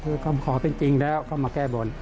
คำขอเป็นจริงแล้วก็มาแก้บน